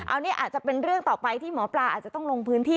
อันนี้อาจจะเป็นเรื่องต่อไปที่หมอปลาอาจจะต้องลงพื้นที่